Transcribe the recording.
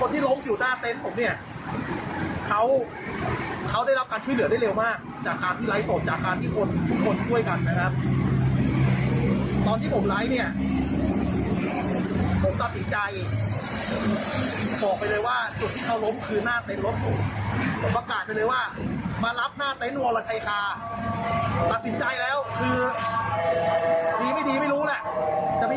ทุกคนช่วยกันนะครับตอนที่ผมไลก์เนี่ยผมตัดสินใจ